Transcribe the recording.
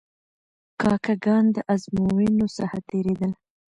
کاکه ګان د آزموینو څخه تیرېدل.